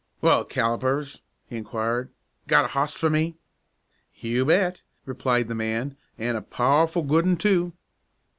"Well, Callipers," he inquired, "got a hoss for me?" "You bet," replied the man, "an' a powerful good un, too."